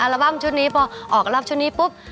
จริงจางปางแจงแปงจงโปง